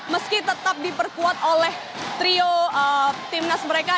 meski tetap diperkuat oleh trio timnas mereka